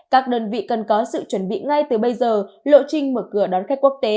các đơn vị cần có sự chuẩn bị ngay từ bây giờ lộ trình mở cửa đón khách quốc tế